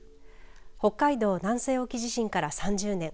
北海道南西沖地震から３０年